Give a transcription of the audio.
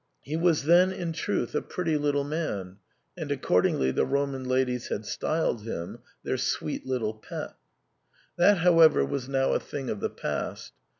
He was then in truth a pretty little man, and accordingly the Roman ladies had styled him their caro puppazetto (sweet little pet). That however was now a thing of the past.